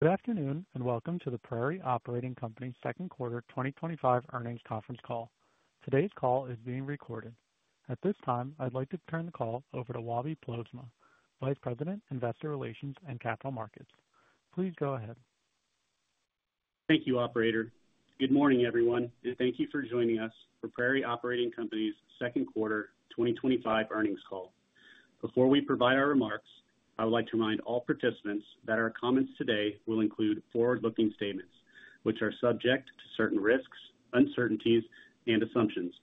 Good afternoon and welcome to the Prairie Operating Company's Second Quarter 2025 Earnings Conference Call. Today's call is being recorded. At this time, I'd like to turn the call over to Wobbe Ploegsma, Vice President, Investor Relations and Capital Markets. Please go ahead. Thank you, Operator. Good morning, everyone, and thank you for joining us for Prairie Operating Company's Second Quarter 2025 Earnings Call. Before we provide our remarks, I would like to remind all participants that our comments today will include forward-looking statements, which are subject to certain risks, uncertainties, and assumptions.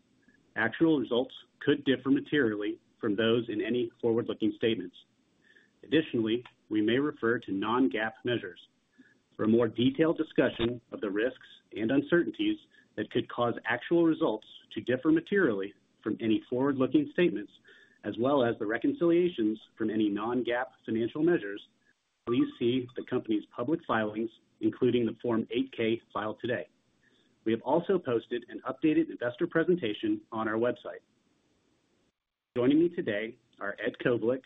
Actual results could differ materially from those in any forward-looking statements. Additionally, we may refer to non-GAAP measures. For a more detailed discussion of the risks and uncertainties that could cause actual results to differ materially from any forward-looking statements, as well as the reconciliations from any non-GAAP financial measures, please see the company's public filings, including the Form 8-K filed today. We have also posted an updated investor presentation on our website. Joining me today are Ed Kovalik,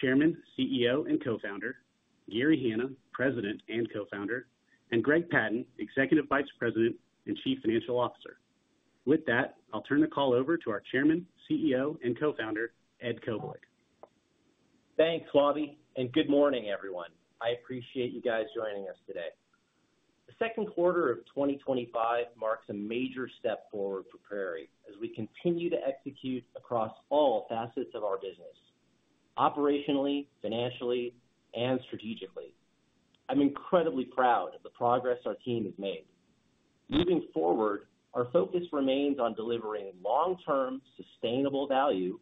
Chairman, CEO, and Co-Founder; Gary Hanna, President and Co-Founder; and Greg Patton, Executive Vice President and Chief Financial Officer. With that, I'll turn the call over to our Chairman, CEO, and Co-Founder, Ed Kovalik. Thanks, Wobbe, and good morning, everyone. I appreciate you guys joining us today. The second quarter of 2025 marks a major step forward for Prairie as we continue to execute across all facets of our business: operationally, financially, and strategically. I'm incredibly proud of the progress our team has made. Moving forward, our focus remains on delivering long-term, sustainable value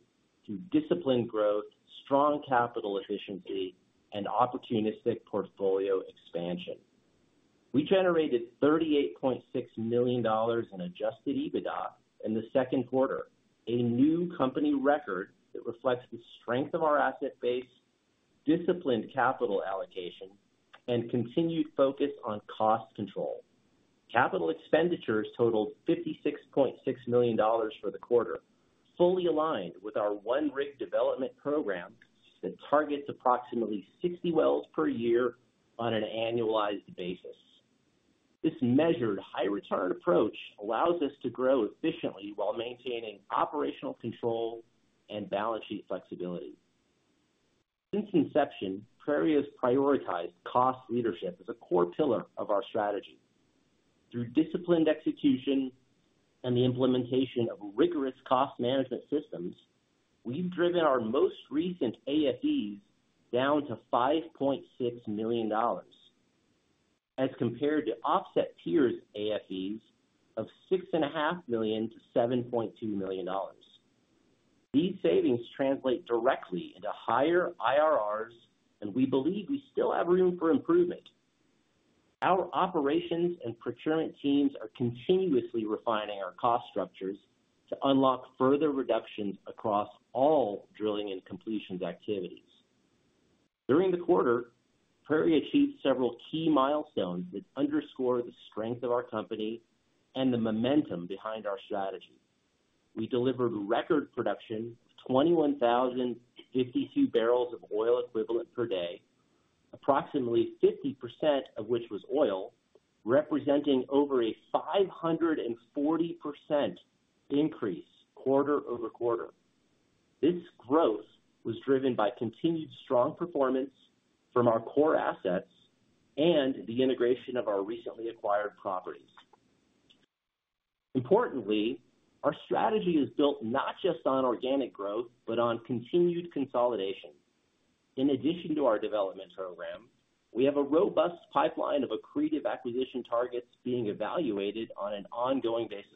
through disciplined growth, strong capital efficiency, and opportunistic portfolio expansion. We generated $38.6 million in adjusted EBITDA in the second quarter, a new company record that reflects the strength of our asset base, disciplined capital allocation, and continued focus on cost control. Capital expenditures totaled $56.6 million for the quarter, fully aligned with our one-rig development program that targets approximately 60 wells per year on an annualized basis. This measured, high-return approach allows us to grow efficiently while maintaining operational control and balance sheet flexibility. Since inception, Prairie has prioritized cost leadership as a core pillar of our strategy. Through disciplined execution and the implementation of rigorous cost management systems, we've driven our most recent AFEs down to $5.6 million as compared to offset tiers AFEs of $6.5 million-$7.2 million. These savings translate directly into higher IRRs, and we believe we still have room for improvement. Our operations and procurement teams are continuously refining our cost structures to unlock further reductions across all drilling and completions activities. During the quarter, Prairie achieved several key milestones that underscore the strength of our company and the momentum behind our strategy. We delivered record production: 21,052 BOE per day, approximately 50% of which was oil, representing over a 540% increase quarter over quarter. This growth was driven by continued strong performance from our core assets and the integration of our recently acquired properties. Importantly, our strategy is built not just on organic growth but on continued consolidation. In addition to our development program, we have a robust pipeline of accretive acquisition targets being evaluated on an ongoing basis.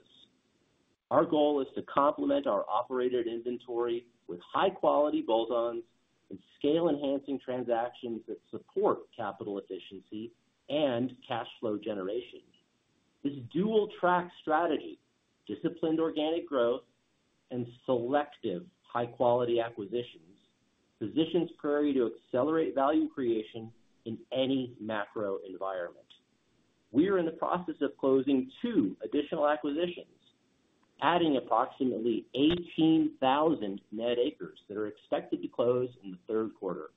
Our goal is to complement our operated inventory with high-quality bolt-ons and scale-enhancing transactions that support capital efficiency and cash flow generation. This dual-track strategy, disciplined organic growth and selective high-quality acquisitions, positions Prairie to accelerate value creation in any macro environment. We are in the process of closing two additional acquisitions, adding approximately 18,000 net acres that are expected to close in the third quarter.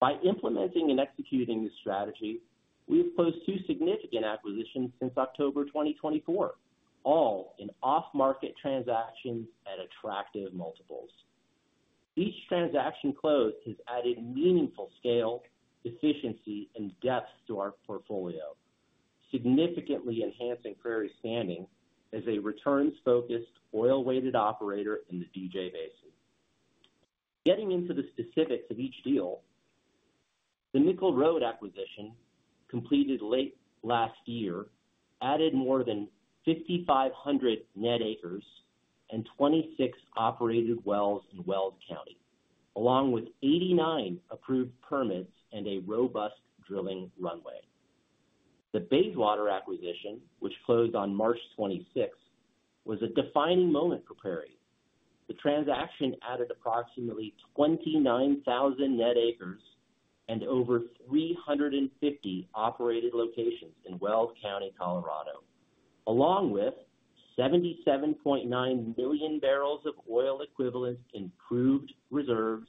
By implementing and executing this strategy, we have closed two significant acquisitions since October 2024, all in off-market transactions at attractive multiples. Each transaction close has added meaningful scale, efficiency, and depth to our portfolio, significantly enhancing Prairie's standing as a returns-focused oil-weighted operator in the DJ Basin. Getting into the specifics of each deal, the Nickel Road acquisition completed late last year added more than 5,500 net acres and 26 operated wells in Weld County, along with 89 approved permits and a robust drilling runway. The Bayswater acquisition, which closed on March 26, was a defining moment for Prairie. The transaction added approximately 29,000 net acres and over 350 operated locations in Weld County, Colorado, along with 77.9 million BOE improved reserves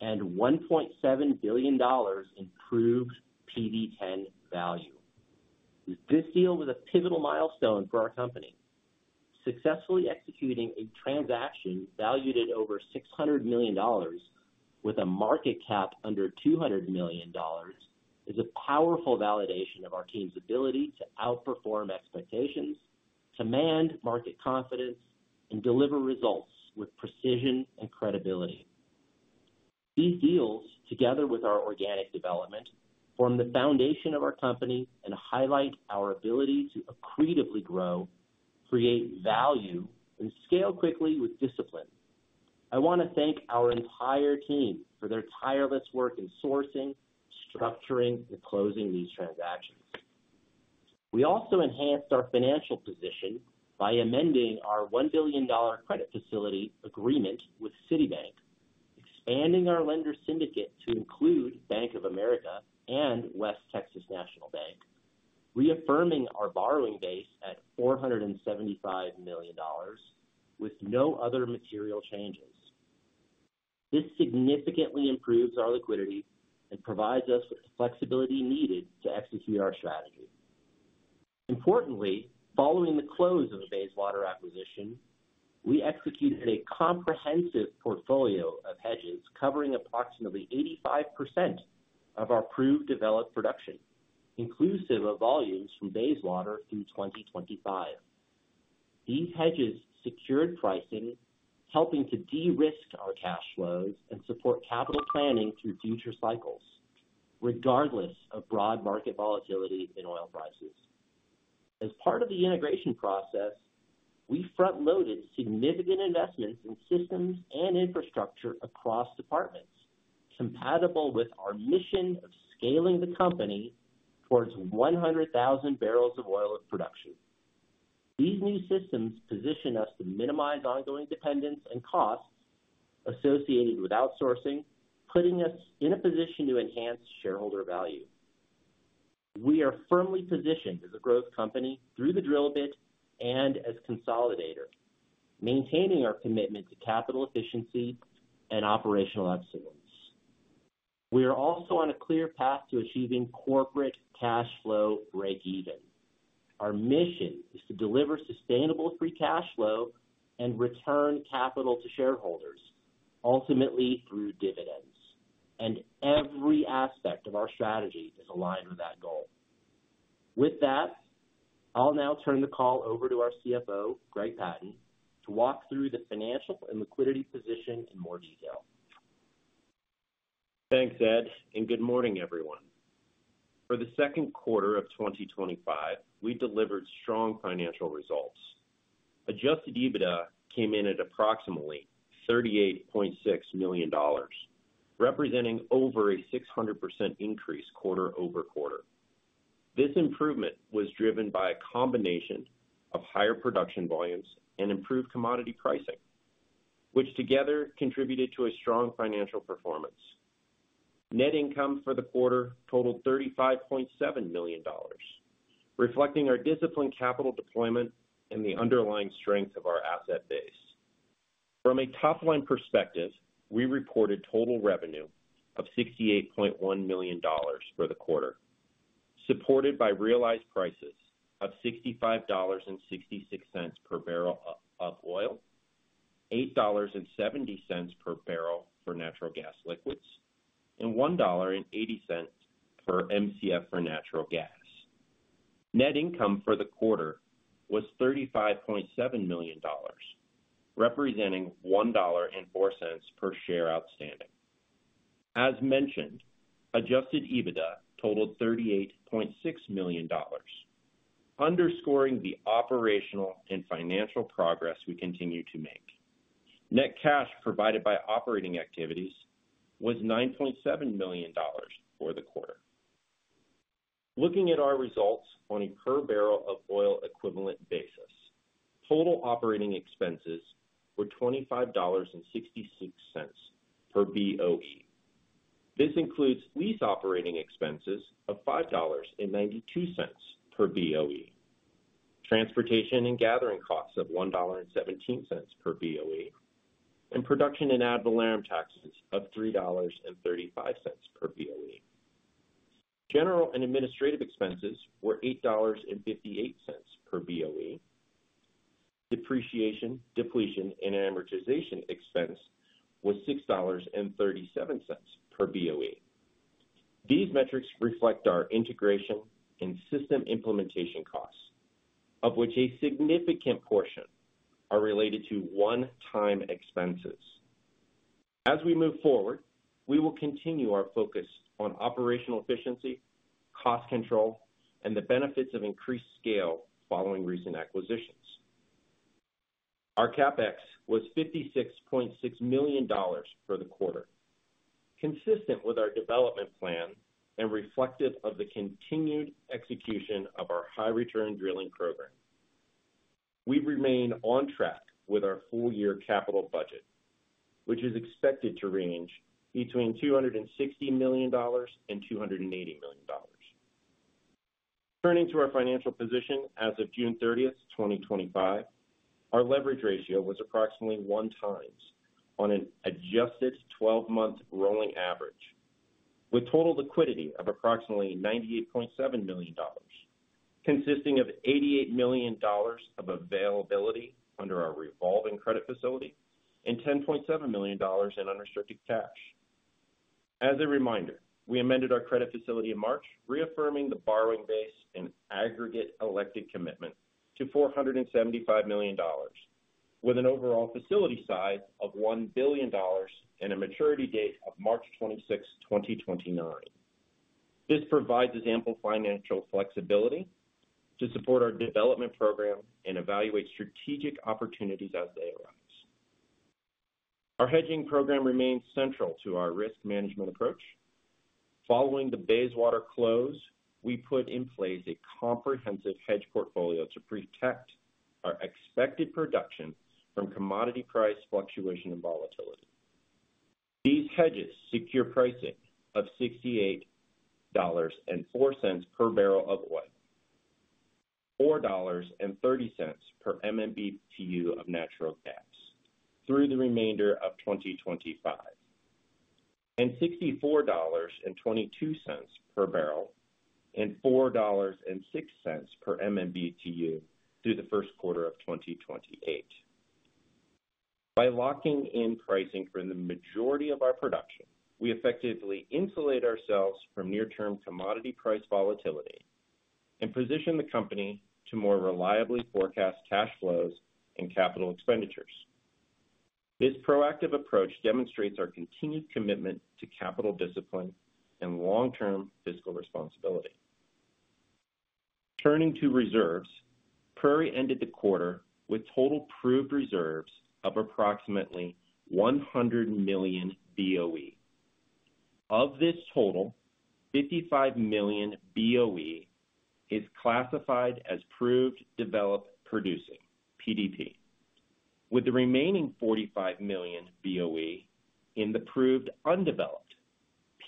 and $1.7 billion in improved PD10 value. This deal was a pivotal milestone for our company. Successfully executing a transaction valued at over $600 million with a market cap under $200 million is a powerful validation of our team's ability to outperform expectations, command market confidence, and deliver results with precision and credibility. These deals, together with our organic development, form the foundation of our company and highlight our ability to accretively grow, create value, and scale quickly with discipline. I want to thank our entire team for their tireless work in sourcing, structuring, and closing these transactions. We also enhanced our financial position by amending our $1 billion credit facility agreement with Citibank, expanding our lender syndicate to include Bank of America and West Texas National Bank, reaffirming our borrowing base at $475 million with no other material changes. This significantly improves our liquidity and provides us with the flexibility needed to execute our strategy. Importantly, following the close of the Bayswater acquisition, we executed a comprehensive portfolio of hedges covering approximately 85% of our pre-developed production, inclusive of volumes from Bayswater through 2025. These hedges secured pricing, helping to de-risk our cash flows and support capital planning through future cycles, regardless of broad market volatility in oil prices. As part of the integration process, we front-loaded significant investments in systems and infrastructure across departments, compatible with our mission of scaling the company towards 100,000 barrels of oil of production. These new systems position us to minimize ongoing dependence and costs associated with outsourcing, putting us in a position to enhance shareholder value. We are firmly positioned as a growth company through the drill bit and as a consolidator, maintaining our commitment to capital efficiency and operational excellence. We are also on a clear path to achieving corporate cash flow break-even. Our mission is to deliver sustainable free cash flow and return capital to shareholders, ultimately through dividends, and every aspect of our strategy is aligned with that goal. With that, I'll now turn the call over to our CFO, Greg Patton, to walk through the financial and liquidity position in more detail. Thanks, Ed, and good morning, everyone. For the second quarter of 2025, we delivered strong financial results. Adjusted EBITDA came in at approximately $38.6 million, representing over a 600% increase quarter over quarter. This improvement was driven by a combination of higher production volumes and improved commodity pricing, which together contributed to a strong financial performance. Net income for the quarter totaled $35.7 million, reflecting our disciplined capital deployment and the underlying strength of our asset base. From a top-line perspective, we reported total revenue of $68.1 million for the quarter, supported by realized prices of $65.66 per barrel of oil, $8.70 per barrel for natural gas liquids, and $1.80 per MCF for natural gas. Net income for the quarter was $35.7 million, representing $1.04 per share outstanding. As mentioned, adjusted EBITDA totaled $38.6 million, underscoring the operational and financial progress we continue to make. Net cash provided by operating activities was $9.7 million for the quarter. Looking at our results on a per barrel of oil equivalent basis, total operating expenses were $25.66 per BOE. This includes lease operating expenses of $5.92 per BOE, transportation and gathering costs of $1.17 per BOE, and production and ad valorem taxes of $3.35 per BOE. General and administrative expenses were $8.58 per BOE. Depreciation, depletion, and amortization expense was $6.37 per BOE. These metrics reflect our integration and system implementation costs, of which a significant portion are related to one-time expenses. As we move forward, we will continue our focus on operational efficiency, cost control, and the benefits of increased scale following recent acquisitions. Our CapEx was $56.6 million for the quarter, consistent with our development plan and reflective of the continued execution of our high-return drilling program. We remain on track with our full-year capital budget, which is expected to range between $260 million and $280 million. Turning to our financial position as of June 30th, 2025, our leverage ratio was approximately 1x on an adjusted 12-month rolling average, with total liquidity of approximately $98.7 million, consisting of $88 million of availability under our revolving credit facility and $10.7 million in unrestricted cash. As a reminder, we amended our credit facility in March, reaffirming the borrowing base and aggregate elected commitment to $475 million, with an overall facility size of $1 billion and a maturity date of March 26th, 2029. This provides us ample financial flexibility to support our development program and evaluate strategic opportunities as they arise. Our hedging program remains central to our risk management approach. Following the Bayswater close, we put in place a comprehensive hedge portfolio to protect our expected production from commodity price fluctuation and volatility. These hedges secure pricing of $68.04 per barrel of oil, $4.30 per MMbtu of natural gas through the remainder of 2025, and $64.22 per barrel and $4.06 per MMbtu through the first quarter of 2028. By locking in pricing for the majority of our production, we effectively insulate ourselves from near-term commodity price volatility and position the company to more reliably forecast cash flows and capital expenditures. This proactive approach demonstrates our continued commitment to capital discipline and long-term fiscal responsibility. Turning to reserves, Prairie ended the quarter with total approved reserves of approximately 100 million BOE. Of this total, 55 million BOE is classified as approved developed producing (PDP) with the remaining 45 million BOE in the approved undeveloped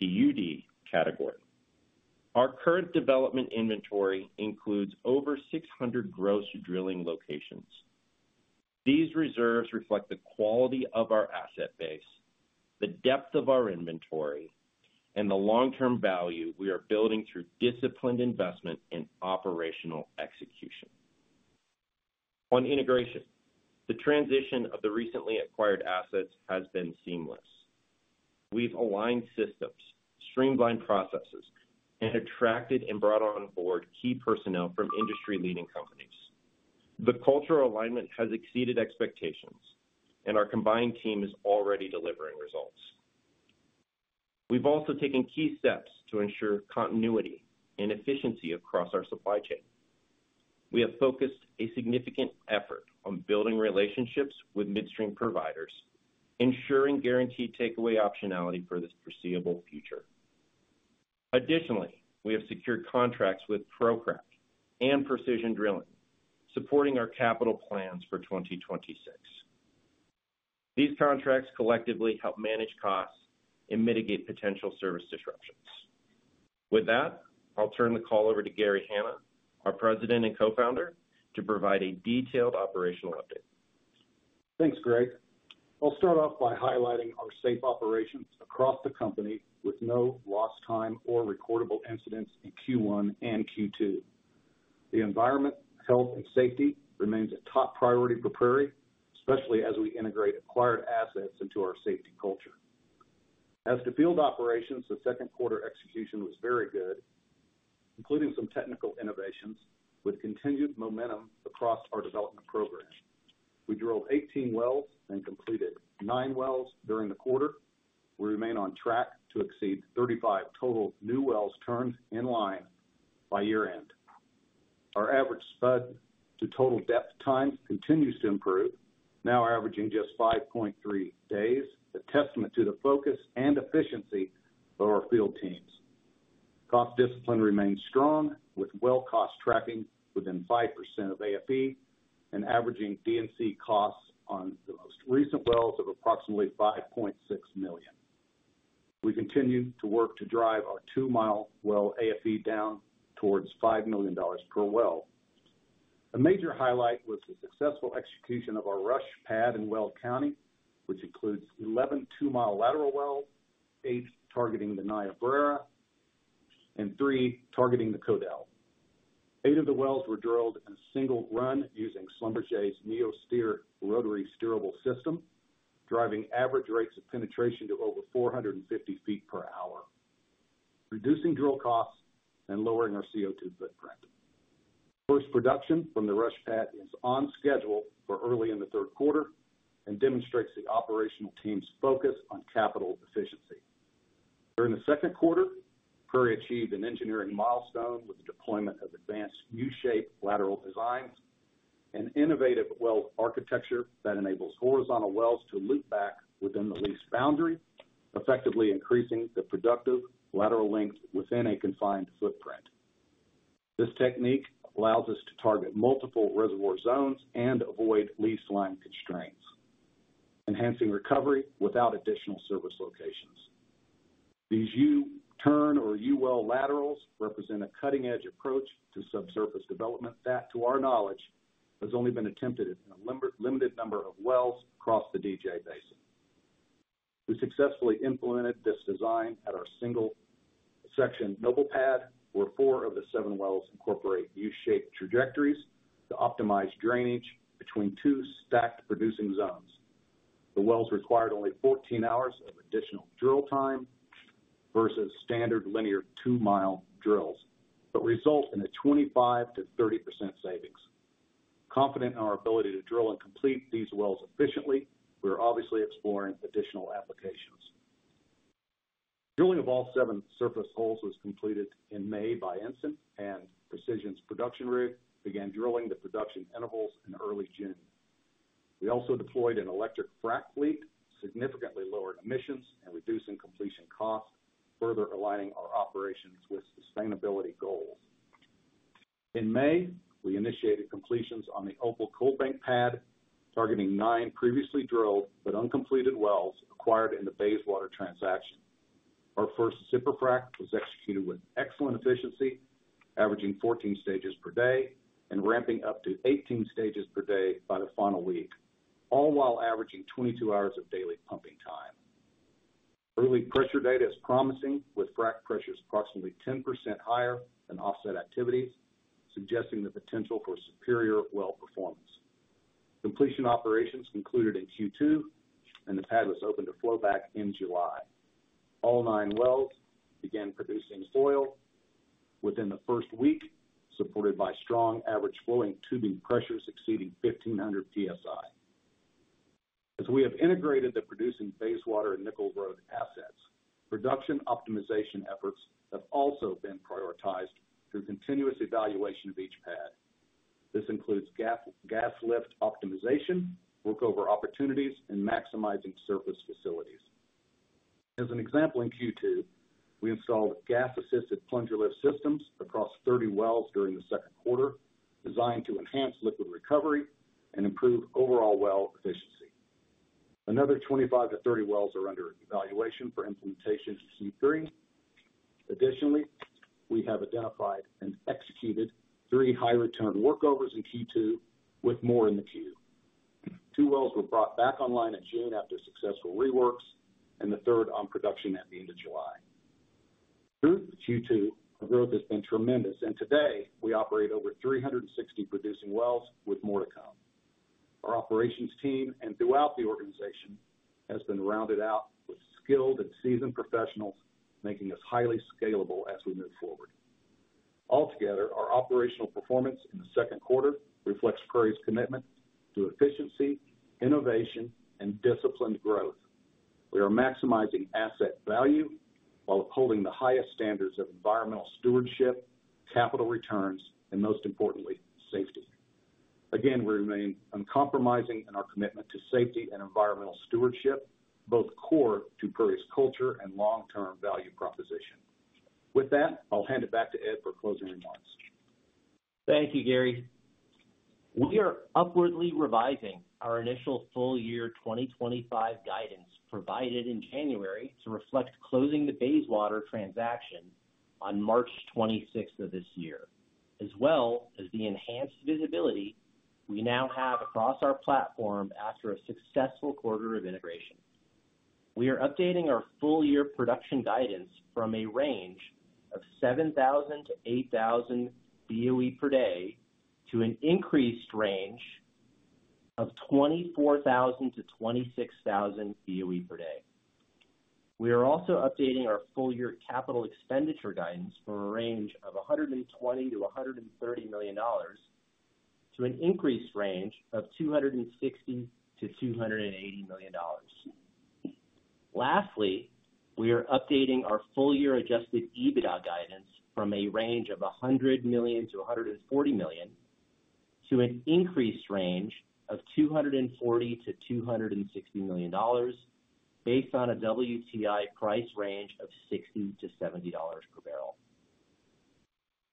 (PUD) category. Our current development inventory includes over 600 gross drilling locations. These reserves reflect the quality of our asset base, the depth of our inventory, and the long-term value we are building through disciplined investment and operational execution. On integration, the transition of the recently acquired assets has been seamless. We've aligned systems, streamlined processes, and attracted and brought on board key personnel from industry-leading companies. The cultural alignment has exceeded expectations, and our combined team is already delivering results. We've also taken key steps to ensure continuity and efficiency across our supply chain. We have focused a significant effort on building relationships with midstream providers, ensuring guaranteed takeaway optionality for the foreseeable future. Additionally, we have secured contracts with ProCraft and Precision Drilling, supporting our capital plans for 2026. These contracts collectively help manage costs and mitigate potential service disruptions. With that, I'll turn the call over to Gary Hanna, our President and Co-Founder, to provide a detailed operational update. Thanks, Greg. I'll start off by highlighting our safe operations across the company with no lost time or recordable incidents in Q1 and Q2. The environment, health, and safety remain a top priority for Prairie, especially as we integrate acquired assets into our safety culture. As to field operations, the second quarter execution was very good, including some technical innovations with continued momentum across our development programs. We drilled 18 wells and completed nine wells during the quarter. We remain on track to exceed 35 total new wells turned in line by year-end. Our average spud to total depth times continues to improve, now averaging just 5.3 days, a testament to the focus and efficiency of our field teams. Cost discipline remains strong, with well cost tracking within 5% of AFE and averaging D&C costs on the most recent wells of approximately $5.6 million. We continue to work to drive our 2 mi well AFE down towards $5 million per well. A major highlight was the successful execution of our Rusch Pad in Weld County, which includes 11 2 mi lateral wells, eight targeting the Niobrara and three targeting the Codell. Eight of the wells were drilled in a single run using Schlumberger's NeoSteer rotary steerable system, driving average rates of penetration to over 450 ft per hour, reducing drill costs and lowering our CO2 footprint. First production from the Rusch Pad is on schedule for early in the third quarter and demonstrates the operational team's focus on capital efficiency. During the second quarter, Prairie achieved an engineering milestone with the deployment of advanced U-shaped lateral designs and innovative well architecture that enables horizontal wells to loop back within the lease boundary, effectively increasing the productive lateral length within a confined footprint. This technique allows us to target multiple reservoir zones and avoid lease line constraints, enhancing recovery without additional service locations. These U-turn or U-well laterals represent a cutting-edge approach to subsurface development that, to our knowledge, has only been attempted in a limited number of wells across the DJ Basin. We successfully implemented this design at our single section noble pad, where four of the seven wells incorporate U-shaped trajectories to optimize drainage between two stacked producing zones. The wells required only 14 hours of additional drill time versus standard linear 2 mi drills but result in a 25%-30% savings. Confident in our ability to drill and complete these wells efficiently, we are obviously exploring additional applications. Drilling of all seven surface holes was completed in May by Ensign, and Precision's production rig began drilling the production intervals in early June. We also deployed an electric frac fleet, significantly lowering emissions and reducing completion costs, further aligning our operations with sustainability goals. In May, we initiated completions on the Opal Coalbank pad, targeting nine previously drilled but uncompleted wells acquired in the Bayswater transaction. Our first super frac was executed with excellent efficiency, averaging 14 stages per day and ramping up to 18 stages per day by the final week, all while averaging 22 hours of daily pumping time. Early pressure data is promising, with frac pressures approximately 10% higher than offset activities, suggesting the potential for superior well performance. Completion operations concluded in Q2, and the pad was open to flow back in July. All nine wells began producing oil within the first week, supported by strong average flowing tubing pressures exceeding 1,500 psi. As we have integrated the producing Bayswater and Nickel Road assets, production optimization efforts have also been prioritized through continuous evaluation of each pad. This includes gas lift optimization, workover opportunities, and maximizing surface facilities. As an example, in Q2, we installed gas-assisted plunger lift systems across 30 wells during the second quarter, designed to enhance liquid recovery and improve overall well efficiency. Another 25-30 wells are under evaluation for implementation in Q3. Additionally, we have identified and executed three high-return workovers in Q2, with more in the queue. Two wells were brought back online in June after successful reworks, and the third on production at the end of July. Through Q2, the growth has been tremendous, and today we operate over 360 producing wells, with more to come. Our operations team and throughout the organization have been rounded out with skilled and seasoned professionals, making us highly scalable as we move forward. Altogether, our operational performance in the second quarter reflects Prairie's commitment to efficiency, innovation, and disciplined growth. We are maximizing asset value while upholding the highest standards of environmental stewardship, capital returns, and most importantly, safety. Again, we remain uncompromising in our commitment to safety and environmental stewardship, both core to Prairie's culture and long-term value proposition. With that, I'll hand it back to Ed for closing remarks. Thank you, Gary. We are upwardly revising our initial full-year 2025 guidance provided in January to reflect closing the Bayswater transaction on March 26 of this year, as well as the enhanced visibility we now have across our platform after a successful quarter of integration. We are updating our full-year production guidance from a range of 7,000-8,000 BOE per day to an increased range of 24,000-26,000 BOE per day. We are also updating our full-year capital expenditure guidance from a range of $120 million-$130 million to an increased range of $260 million-$280 million. Lastly, we are updating our full-year adjusted EBITDA guidance from a range of $100 million-$140 million to an increased range of $240 million-$260 million based on a WTI price range of $60-$70 per barrel.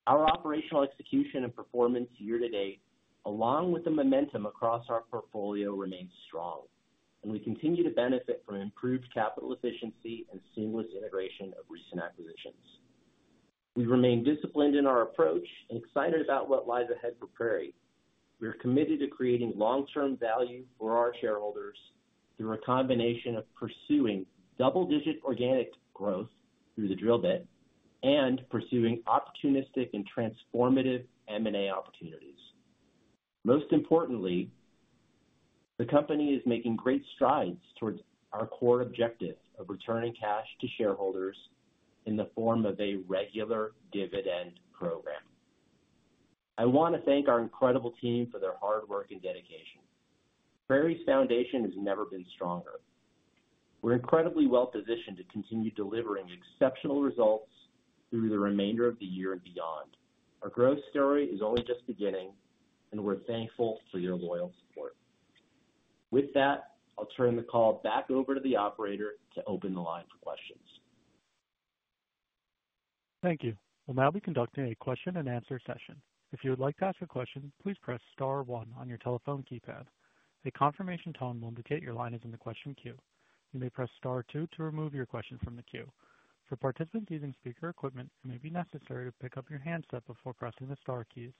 Our operational execution and performance year to date, along with the momentum across our portfolio, remain strong, and we continue to benefit from improved capital efficiency and seamless integration of recent acquisitions. We remain disciplined in our approach and excited about what lies ahead for Prairie. We are committed to creating long-term value for our shareholders through a combination of pursuing double-digit organic growth through the drill bit and pursuing opportunistic and transformative M&A opportunities. Most importantly, the company is making great strides towards our core objective of returning cash to shareholders in the form of a regular dividend program. I want to thank our incredible team for their hard work and dedication. Prairie's foundation has never been stronger. We're incredibly well positioned to continue delivering exceptional results through the remainder of the year and beyond. Our growth story is only just beginning, and we're thankful for your loyal support. With that, I'll turn the call back over to the operator to open the line for questions. Thank you. We'll now be conducting a question and answer session. If you would like to ask a question, please press star one on your telephone keypad. A confirmation tone will indicate your line is in the question queue. You may press star two to remove your question from the queue. For participants using speaker equipment, it may be necessary to pick up your handset before pressing the star keys.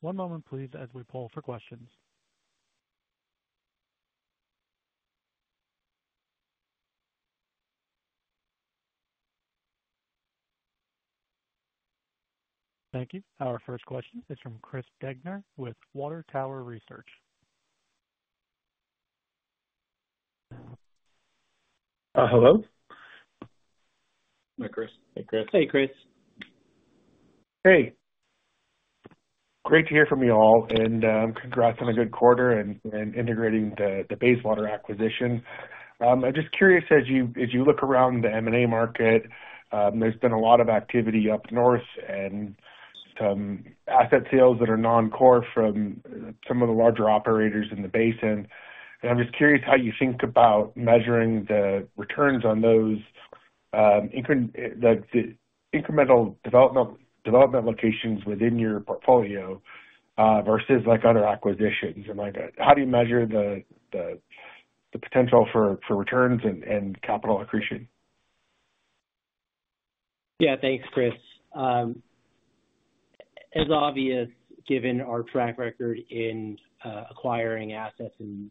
One moment, please, as we poll for questions. Thank you. Our first question is from Chris Degner with Water Tower Research. Hello. Hi, Chris. Hey, Chris. Hey, Chris. Hey, great to hear from you all, and congrats on a good quarter and integrating the Bayswater acquisition. I'm just curious, as you look around the M&A market, there's been a lot of activity up north and some asset sales that are non-core from some of the larger operators in the basin. I'm just curious how you think about measuring the returns on those incremental development locations within your portfolio versus other acquisitions. How do you measure the potential for returns and capital accretion? Yeah, thanks, Chris. As obvious, given our track record in acquiring assets and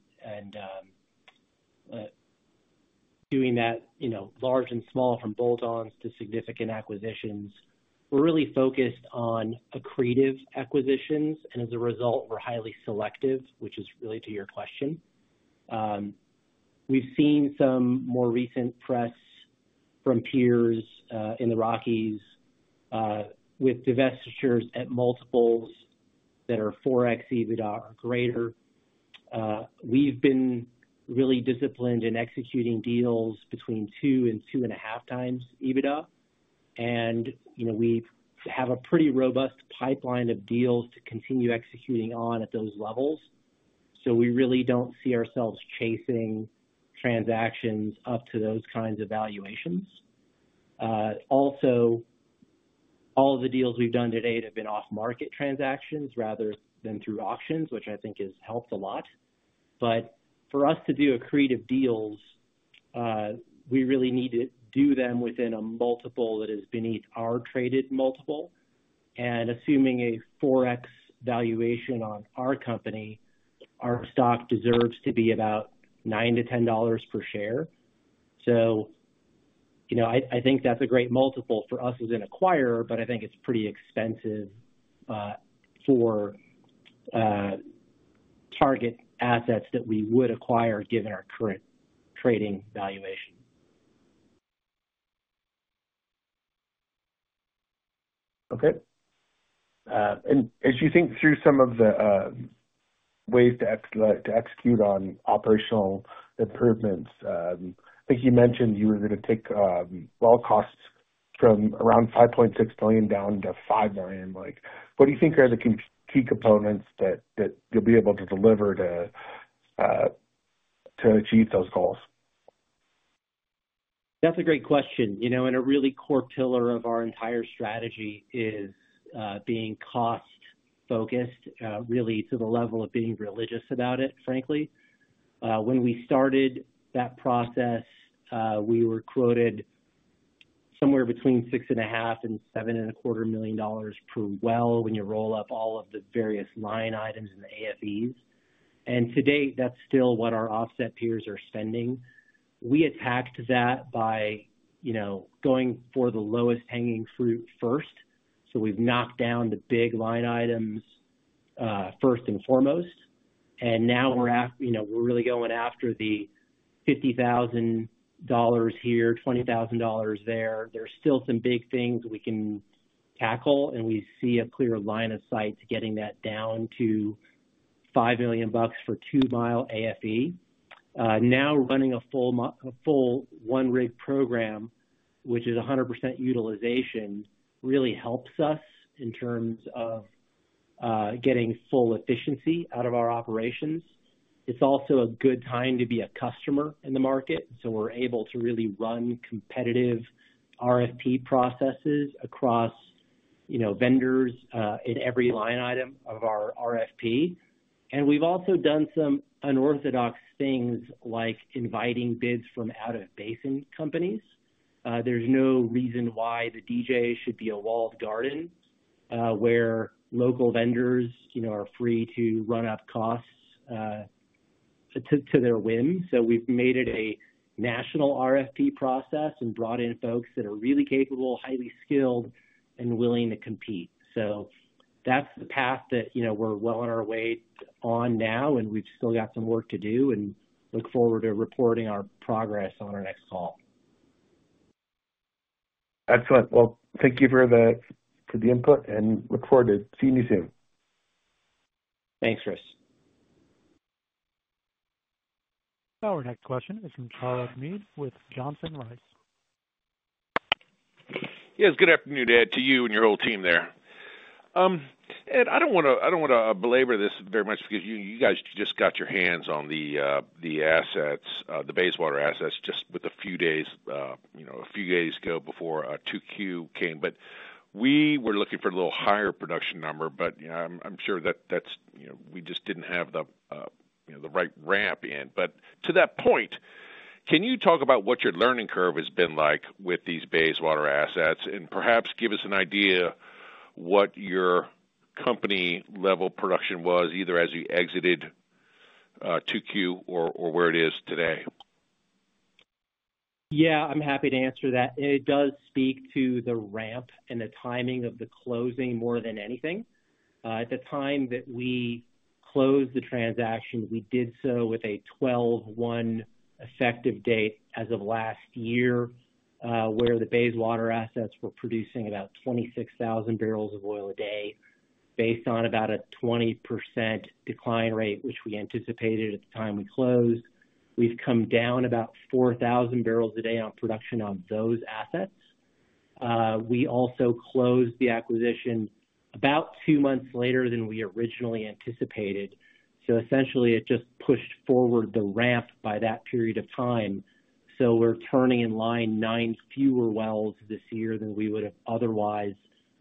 doing that, you know, large and small from bolt-ons to significant acquisitions, we're really focused on accretive acquisitions. As a result, we're highly selective, which is really to your question. We've seen some more recent press from peers in the Rockies with divestitures at multiples that are 4x EBITDA or greater. We've been really disciplined in executing deals between 2x and 2.5x EBITDA. You know we have a pretty robust pipeline of deals to continue executing on at those levels. We really don't see ourselves chasing transactions up to those kinds of valuations. Also, all of the deals we've done to date have been off-market transactions rather than through auctions, which I think has helped a lot. For us to do accretive deals, we really need to do them within a multiple that is beneath our traded multiple. Assuming a 4x valuation on our company, our stock deserves to be about $9-$10 per share. I think that's a great multiple for us as an acquirer, but I think it's pretty expensive for target assets that we would acquire given our current trading valuation. Okay. As you think through some of the ways to execute on operational improvements, I think you mentioned you were going to take well costs from around $5.6 million down to $5 million. What do you think are the key components that you'll be able to deliver to achieve those goals? That's a great question. You know, a really core pillar of our entire strategy is being cost-focused, really to the level of being religious about it, frankly. When we started that process, we were quoted somewhere between $6.5 million and $7.25 million per well when you roll up all of the various line items in the AFEs. To date, that's still what our offset peers are spending. We attacked that by going for the lowest hanging fruit first. We've knocked down the big line items first and foremost. Now we're really going after the $50,000 here, $20,000 there. There's still some big things we can tackle, and we see a clear line of sight to getting that down to $5 million for a 2 mi AFE. Now running a full one-rig program, which is 100% utilization, really helps us in terms of getting full efficiency out of our operations. It's also a good time to be a customer in the market. We're able to really run competitive RFP processes across vendors in every line item of our RFP. We've also done some unorthodox things like inviting bids from out-of-basin companies. There's no reason why the DJ should be a walled garden where local vendors are free to run up costs to their whim. We've made it a national RFP process and brought in folks that are really capable, highly skilled, and willing to compete. That's the path that we're well on our way on now, and we've still got some work to do and look forward to reporting our progress on our next call. Excellent. Thank you for the input and look forward to seeing you soon. Thanks, Chris. Our next question is from [Charlotte Meade with Johnson Rice]. Yes, good afternoon, Ed, to you and your whole team there. Ed, I don't want to belabor this very much because you guys just got your hands on the Bayswater assets just a few days ago before 2Q came. We were looking for a little higher production number, but I'm sure that that's, you know, we just didn't have the right ramp in. To that point, can you talk about what your learning curve has been like with these Bayswater assets and perhaps give us an idea of what your company-level production was either as you exited 2Q or where it is today? Yeah, I'm happy to answer that. It does speak to the ramp and the timing of the closing more than anything. At the time that we closed the transaction, we did so with a 12/1 effective date as of last year, where the Bayswater assets were producing about 26,000 barrels of oil a day based on about a 20% decline rate, which we anticipated at the time we closed. We've come down about 4,000 barrels a day on production on those assets. We also closed the acquisition about two months later than we originally anticipated. Essentially, it just pushed forward the ramp by that period of time. We're turning in line nine fewer wells this year than we would have otherwise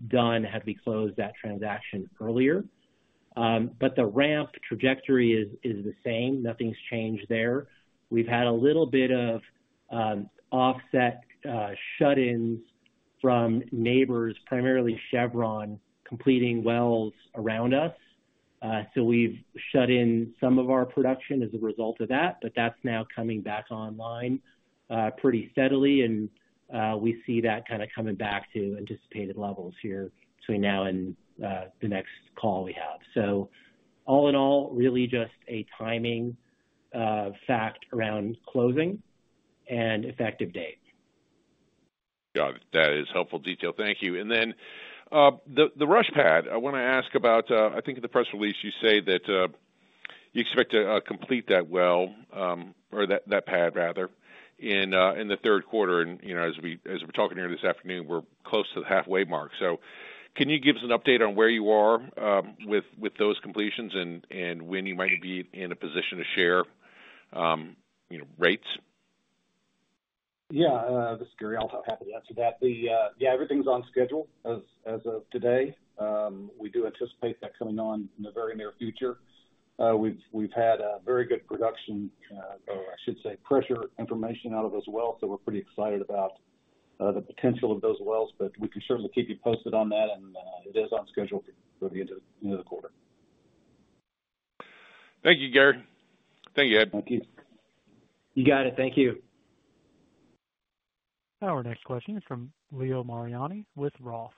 done had we closed that transaction earlier. The ramp trajectory is the same. Nothing's changed there. We've had a little bit of offset shut-ins from neighbors, primarily Chevron, completing wells around us. We've shut in some of our production as a result of that, but that's now coming back online pretty steadily. We see that kind of coming back to anticipated levels here between now and the next call we have. All in all, really just a timing fact around closing and effective date. Got it. That is helpful detail. Thank you. The Rusch Pad, I want to ask about, I think in the press release you say that you expect to complete that well, or that pad rather, in the third quarter. As we're talking here this afternoon, we're close to the halfway mark. Can you give us an update on where you are with those completions and when you might be in a position to share rates? Yeah, this is Gary. I'm happy to answer that. Yeah, everything's on schedule as of today. We do anticipate that coming on in the very near future. We've had very good production, or I should say pressure information out of those wells. We're pretty excited about the potential of those wells, and we can certainly keep you posted on that. It is on schedule for the end of the quarter. Thank you, Gary. Thank you, Ed. Thank you. You got it. Thank you. Our next question is from Leo Mariani with Roth.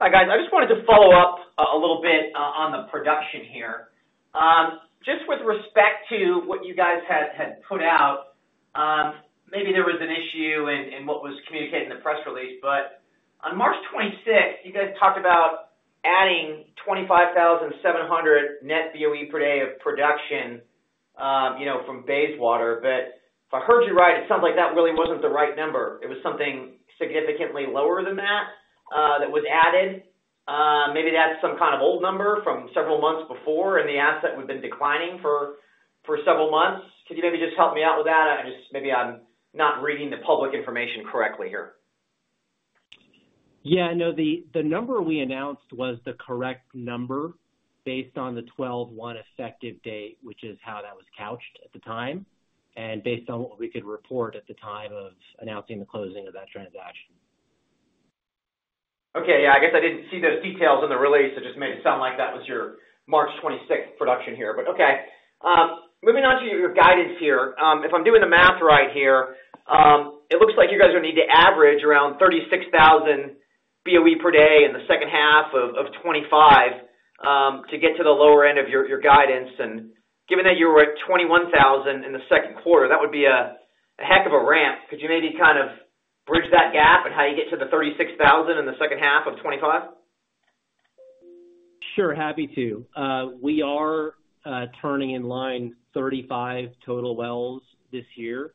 Hi guys, I just wanted to follow up a little bit on the production here. Just with respect to what you guys had put out, maybe there was an issue in what was communicated in the press release, but on March 26, you guys talked about adding 25,700 net BOE per day of production, you know, from Bayswater. If I heard you right, it sounds like that really wasn't the right number. It was something significantly lower than that that was added. Maybe that's some kind of old number from several months before and the asset would have been declining for several months. Could you maybe just help me out with that? I just maybe I'm not reading the public information correctly here. Yeah, no, the number we announced was the correct number based on the 12/1 effective date, which is how that was couched at the time, and based on what we could report at the time of announcing the closing of that transaction. Okay, I guess I didn't see those details in the release. It just made it sound like that was your March 26th production here, but okay. Moving on to your guidance here, if I'm doing the math right here, it looks like you guys are going to need to average around 36,000 BOE per day in the second half of 2025 to get to the lower end of your guidance. Given that you were at 21,000 in the second quarter, that would be a heck of a ramp. Could you maybe kind of bridge that gap and how you get to the 36,000 in the second half of 2025? Sure, happy to. We are turning in line 35 total wells this year,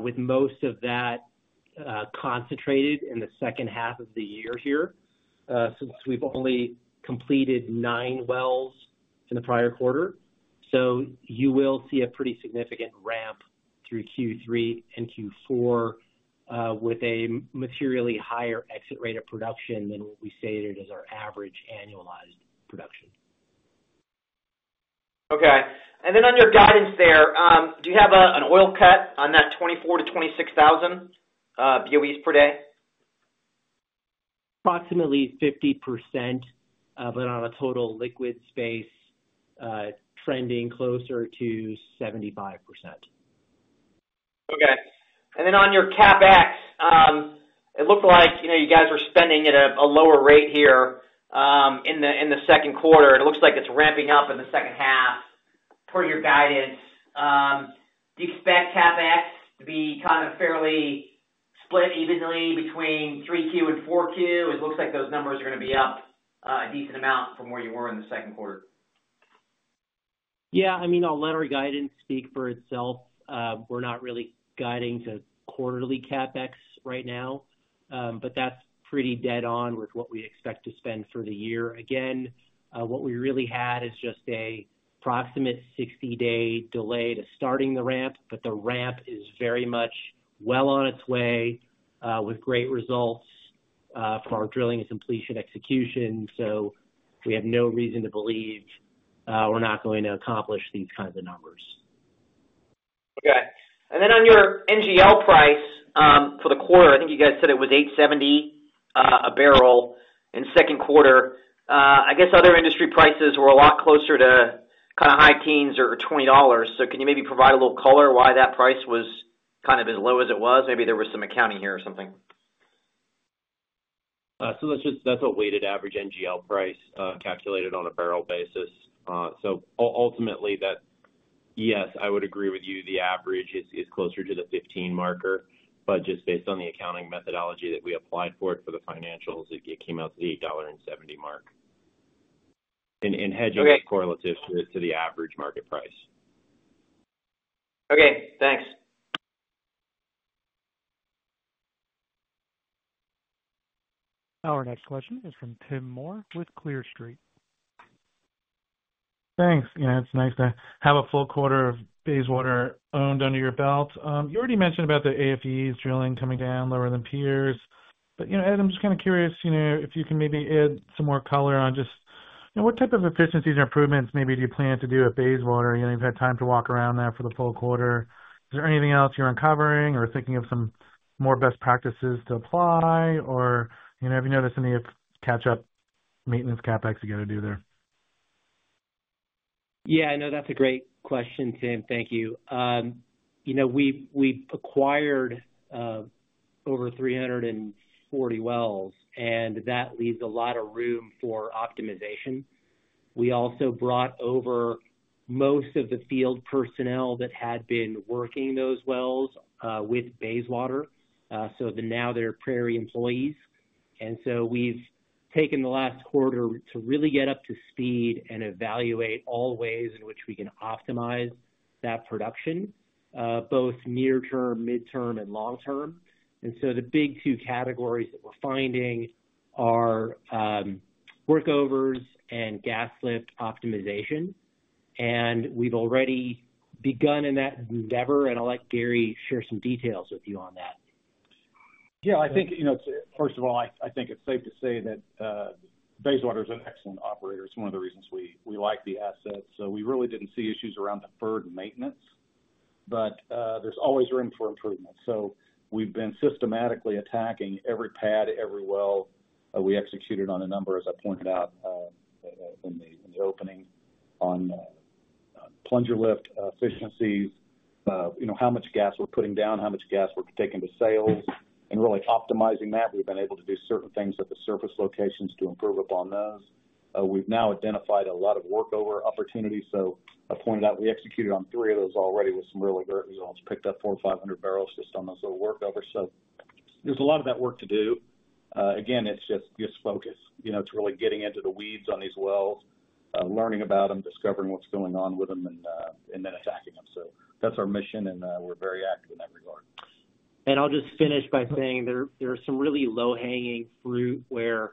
with most of that concentrated in the second half of the year here since we've only completed nine wells in the prior quarter. You will see a pretty significant ramp through Q3 and Q4 with a materially higher exit rate of production than what we stated as our average annualized production. Okay. Do you have an oil cut on that 24,000-26,000 BOEs per day in your guidance? Approximately 50%, but on a total liquids basis, trending closer to 75%. Okay. On your CapEx, it looked like you guys were spending at a lower rate here in the second quarter. It looks like it's ramping up in the second half per your guidance. Do you expect CapEx to be kind of fairly split evenly between 3Q and 4Q? It looks like those numbers are going to be up a decent amount from where you were in the second quarter. Yeah, I mean, I'll let our guidance speak for itself. We're not really guiding to quarterly CapEx right now, but that's pretty dead on with what we expect to spend for the year. Again, what we really had is just an approximate 60-day delay to starting the ramp, but the ramp is very much well on its way with great results from our drilling and completion execution. We have no reason to believe we're not going to accomplish these kinds of numbers. Okay. On your NGL price for the quarter, I think you guys said it was $8.70 a barrel in the second quarter. I guess other industry prices were a lot closer to kind of high teens or $20. Can you maybe provide a little color why that price was kind of as low as it was? Maybe there was some accounting here or something. That's just a weighted average NGL price calculated on a barrel basis. Ultimately, yes, I would agree with you, the average is closer to the $15 marker, but just based on the accounting methodology that we applied for it for the financials, it came out to the $8.70 mark. Hedging is correlative to the average market price. Okay. Thanks. Our next question is from Tim Moore with Clear Street. Thanks. You know, it's nice to have a full quarter of Bayswater owned under your belt. You already mentioned about the AFEs drilling coming down lower than peers. Ed, I'm just kind of curious if you can maybe add some more color on just what type of efficiencies or improvements maybe do you plan to do at Bayswater. You've had time to walk around that for the full quarter. Is there anything else you're uncovering or thinking of some more best practices to apply? Have you noticed any catch-up maintenance CapEx you got to do there? Yeah, no, that's a great question, Tim. Thank you. We've acquired over 340 wells, and that leaves a lot of room for optimization. We also brought over most of the field personnel that had been working those wells with Bayswater, so now they're Prairie employees. We've taken the last quarter to really get up to speed and evaluate all ways in which we can optimize that production, both near-term, mid-term, and long-term. The big two categories that we're finding are workovers and gas lift optimization. We've already begun in that endeavor, and I'll let Gary share some details with you on that. Yeah, I think, first of all, I think it's safe to say that Bayswater is an excellent operator. It's one of the reasons we like the asset. We really didn't see issues around deferred maintenance, but there's always room for improvement. We've been systematically attacking every pad, every well. We executed on a number, as I pointed out in the opening, on plunger lift efficiencies, how much gas we're putting down, how much gas we're taking to sales, and really optimizing that. We've been able to do certain things at the surface locations to improve upon those. We've now identified a lot of workover opportunities. I pointed out we executed on three of those already with some really great results, picked up 400, 500 barrels just on those little workovers. There's a lot of that work to do. It's just focus, it's really getting into the weeds on these wells, learning about them, discovering what's going on with them, and then attacking them. That's our mission, and we're very active in that regard. There are some really low-hanging fruit where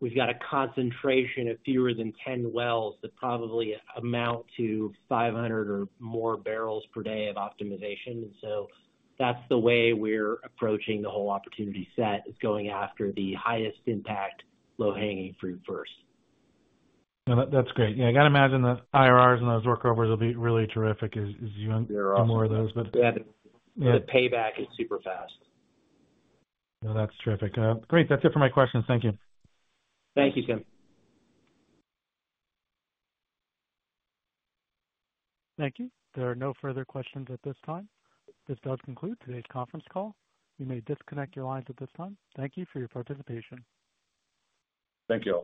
we've got a concentration of fewer than 10 wells that probably amount to 500 or more barrels per day of optimization. That's the way we're approaching the whole opportunity set, going after the highest impact, low-hanging fruit first. No, that's great. Yeah, I got to imagine the IRRs and those workovers will be really terrific as you uncover more of those. Yeah, the payback is super fast. No, that's terrific. Great. That's it for my questions. Thank you. Thank you, Tim. Thank you. There are no further questions at this time. This does conclude today's conference call. You may disconnect your lines at this time. Thank you for your participation. Thank you.